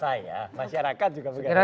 bukan hanya saya masyarakat juga